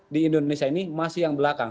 di indonesia ini masih yang belakang